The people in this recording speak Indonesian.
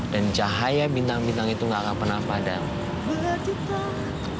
dan cahaya bintang bintang itu gak akan pernah padam